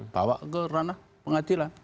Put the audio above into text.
bawa ke ranah pengadilan